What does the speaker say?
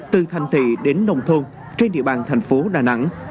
từ thành thị đến nông thôn trên địa bàn thành phố đà nẵng